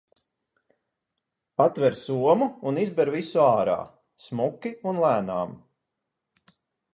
Atver somu un izber visu ārā, smuki un lēnām.